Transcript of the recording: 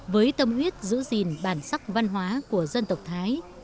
với tâm huyết giữ gìn bản sắc văn hóa của dân tộc thái